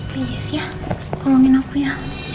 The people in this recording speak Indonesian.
please ya tolongin aku ya